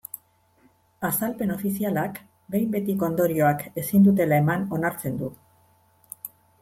Azalpen ofizialak behin-betiko ondorioak ezin dutela eman onartzen du.